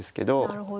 なるほど。